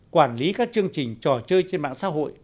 quản lý các chương trình trò chơi trên mạng xã hội